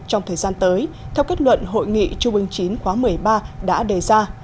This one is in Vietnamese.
trong thời gian tới theo kết luận hội nghị trung ương chín khóa một mươi ba đã đề ra